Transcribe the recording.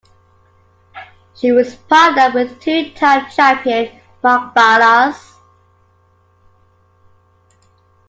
She was partnered with two-time champion Mark Ballas.